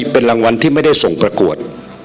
เป็นรางวัลที่ไม่ได้ส่งประกวด